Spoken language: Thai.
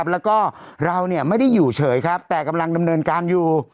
แล้วก็เราไม่ได้อยู่เฉยครับแต่กำลังดำเนินการอยู่